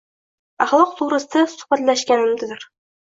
axloq to'g'risida suhbatlashganimdir.